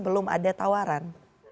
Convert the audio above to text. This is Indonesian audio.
belum ada tawaran